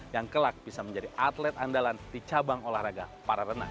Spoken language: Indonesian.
yang kelak bisa menjadi atlet andalan di cabang olahraga para renang